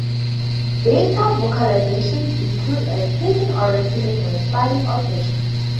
Darter vocalizations include a clicking or rattling when flying or perching.